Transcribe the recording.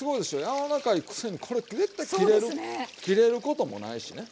柔らかいくせにこれ絶対切れる切れることもないしね。